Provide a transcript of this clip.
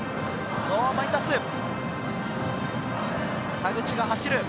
田口が走る。